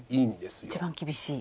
一番厳しい。